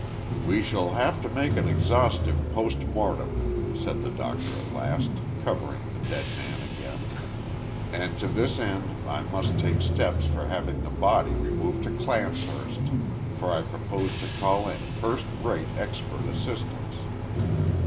"We shall have to make an exhaustive postmortem," said the doctor at last, covering the dead man again, "and to this end I must take steps for having the body removed to Clancehurst, for I propose to call in first rate expert assistance."